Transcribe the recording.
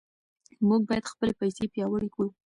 موږ باید خپلې پیسې پیاوړې کړو.